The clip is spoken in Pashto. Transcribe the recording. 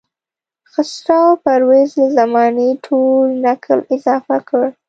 خسرو پرویز له زمانې ټول نکل اضافه کړ.